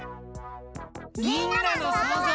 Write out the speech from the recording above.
みんなのそうぞう。